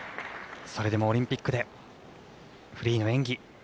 それでもオリンピックでフリーの演技